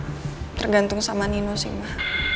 sebenarnya semua tergantung sama nino sih ma